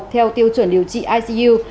theo tiêu chuẩn điều trị icu